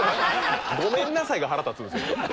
「ごめんなさい」が腹立つんですよ。